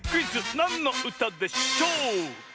「なんのうたでしょう」！